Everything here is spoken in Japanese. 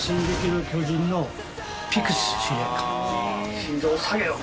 「心臓を捧げよ」。